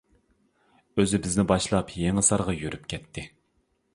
ئۆزى بىزنى باشلاپ يېڭىسارغا يۈرۈپ كەتتى.